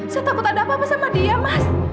saya takut ada apa apa sama dia mas